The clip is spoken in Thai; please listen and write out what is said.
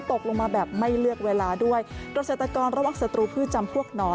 ตกลงมาแบบไม่เลือกเวลาด้วยเกษตรกรระวังศัตรูพืชจำพวกหนอน